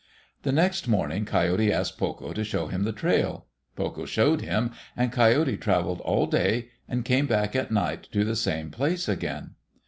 The next morning, Coyote asked Pokoh to show him the trail. Pokoh showed him, and Coyote travelled all day and came back at night to the same place again.